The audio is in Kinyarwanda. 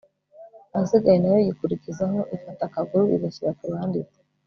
ahasigaye na yo yikurikizaho, ifata akaguru, igashyira ku ruhande iti